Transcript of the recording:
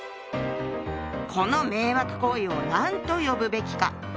この迷惑行為を何と呼ぶべきか。